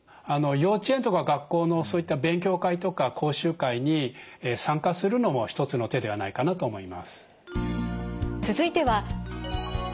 幼稚園とか学校のそういった勉強会とか講習会に参加するのも一つの手ではないかなと思います。